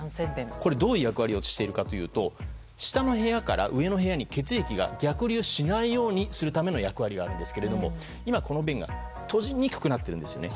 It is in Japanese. これはどういう役割をしているかというと下の部屋から上の部屋に血液が逆流しないようにするための役割があるんですが今、この弁が閉じにくくなっているんですよね。